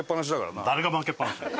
誰が負けっ放しだよ。